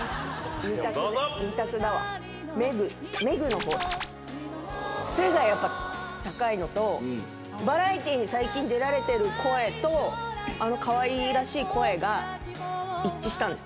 どうぞ二択だわメグメグの方だ背がやっぱ高いのとバラエティーに最近出られてる声とあのかわいらしい声が一致したんです